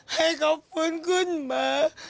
ให้เขาฟื้นขึ้นมา